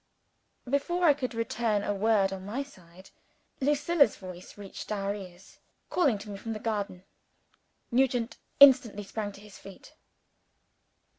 Before I could return a word, on my side, Lucilla's voice reached our ears, calling to me from the garden. Nugent instantly sprang to his feet.